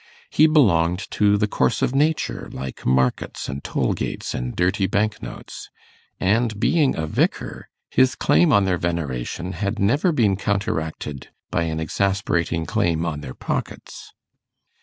He belonged to the course of nature, like markets and toll gates and dirty bank notes; and being a vicar, his claim on their veneration had never been counteracted by an exasperating claim on their pockets.